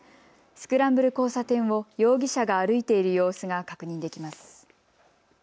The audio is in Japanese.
スクランブル交差点を容疑者が歩いている様子が確認できます。